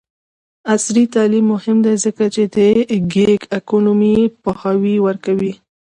عصري تعلیم مهم دی ځکه چې د ګیګ اکونومي پوهاوی ورکوي.